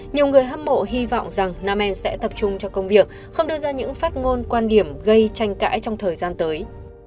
nhiều người hâm mộ hy vọng rằng nam em sẽ tập trung cho công việc không đưa ra những phát ngôn quan điểm gây tranh cãi trong thời gian tới